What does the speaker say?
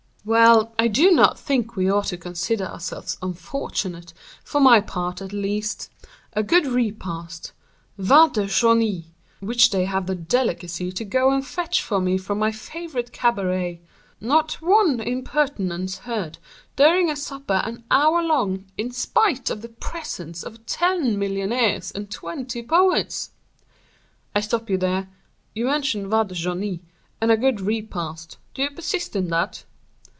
"Well, I do not think we ought to consider ourselves unfortunate, for my part, at least. A good repast—vin de Joigny, which they have the delicacy to go and fetch for me from my favorite cabaret—not one impertinence heard during a supper an hour long, in spite of the presence of ten millionaires and twenty poets." "I stop you there. You mentioned vin de Joigny, and a good repast; do you persist in that?"